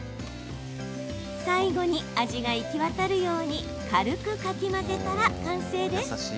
最後に味が行き渡るように軽くかき混ぜたら完成です。